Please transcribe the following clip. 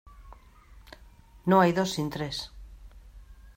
No hay dos sin tres.